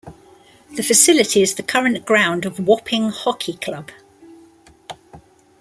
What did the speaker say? The facility is the current ground of Wapping Hockey Club.